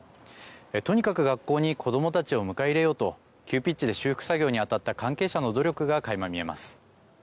とにかく学校に子どもたちを迎え入れようと急ピッチで修復作業に当たった関係者の努力がかいま見えます。